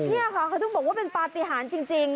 นี่ค่ะเขาต้องบอกว่าเป็นปฏิหารจริง